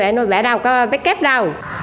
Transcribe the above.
bẹ ảm nói bẹ đâu có bé kép đâu